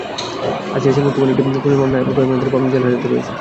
আছিয়ার স্বামী কুপন একটি খুনের মামলায় কয়েক মাস ধরে পাবনা জেলহাজতে রয়েছেন।